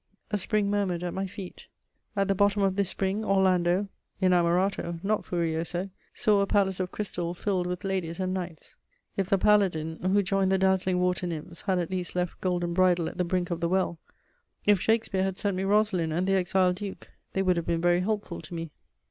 A spring murmured at my feet; at the bottom of this spring Orlando (Inamorato, not Furioso) saw a palace of crystal filled with ladies and knights. If the paladin, who joined the dazzling water nymphs, had at least left Golden Bridle at the brink of the well; if Shakespeare had sent me Rosalind and the Exiled Duke, they would have been very helpful to me.